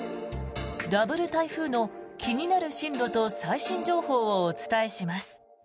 ダブル台風の気になる進路と最新情報をお伝えします。